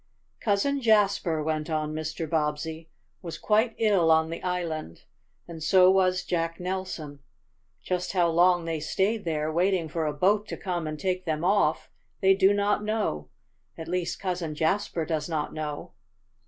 "Cousin Jasper," went on Mr. Bobbsey, "was quite ill on the island, and so was Jack Nelson. Just how long they stayed there, waiting for a boat to come and take them off, they do not know at least, Cousin Jasper does not know."